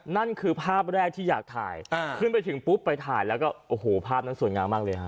นั่นคือภาพแรกที่อยากถ่ายขึ้นไปถึงปุ๊บไปถ่ายแล้วก็โอ้โหภาพนั้นสวยงามมากเลยฮะ